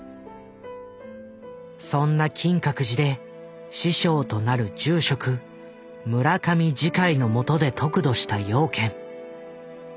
そんな金閣寺で師匠となる住職村上慈海のもとで得度した養賢。